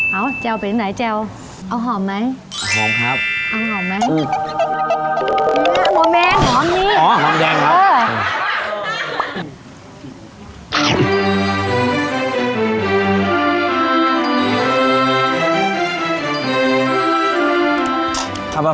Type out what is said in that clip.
เอาแจ่วเป็นไหนแจ่วเอาหอมไหม